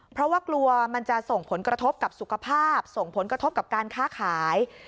เพราะว่ากลัวมันจะส่งผลกระทบกับสุขภาพส่งผลกระทบกับการค้าขาย